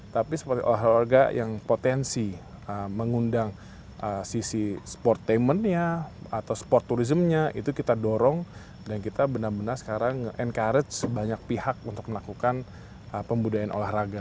tapi seperti olahraga yang potensi mengundang sisi sportainment nya atau sport tourismnya itu kita dorong dan kita benar benar sekarang encourage banyak pihak untuk melakukan pembudayaan olahraga